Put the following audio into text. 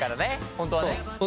本当はね！